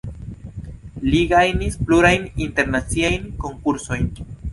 Li gajnis plurajn internaciajn konkursojn.